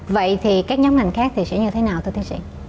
vậy thì các nhóm ngành khác thì sẽ như thế nào thưa tiến sĩ